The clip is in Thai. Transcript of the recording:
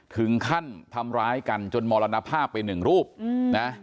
ถึงขั้นทำร้ายกันจนมรณภาพไปหนึ่งรูปนะ